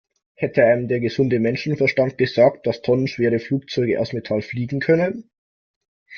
Hätte einem der gesunde Menschenverstand gesagt, dass tonnenschwere Flugzeuge aus Metall fliegen können?